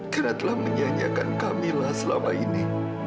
karena telah menyianyikan kamila selama ini